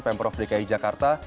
pemprov dki jakarta